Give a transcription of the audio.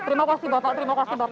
terima kasih bapak terima kasih bapak